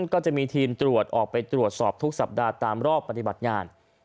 ก็จะมีทีมตรวจออกไปตรวจสอบทุกสัปดาห์ตามรอบปฏิบัติงาน